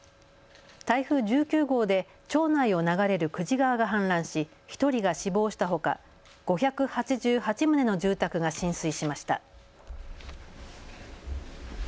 台風１９号で町内を流れる久慈川が氾濫し１人が死亡したほか５８８棟の住宅が浸水しました。